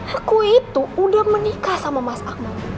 aku itu udah menikah sama mas akmal